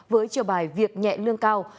với chiều bài việc nhẹ lương cao